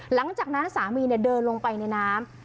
หลังจากนั้นสามีเดินลงไปในน้ำ